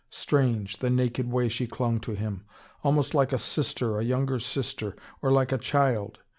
Strange, the naked way she clung to him! Almost like a sister, a younger sister! Or like a child!